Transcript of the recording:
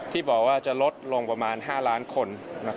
ที่บอกว่าจะลดลงประมาณ๕ล้านคน